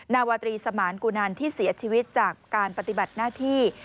นาวาตรีสมานกุนันที่เสียชีวิตจากการปฏิบัติหน้าที่